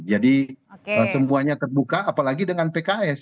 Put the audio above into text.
jadi semuanya terbuka apalagi dengan pks